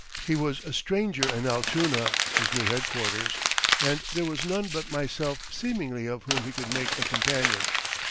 He was a stranger in Altoona, his new headquarters, and there was none but myself seemingly of whom he could make a companion.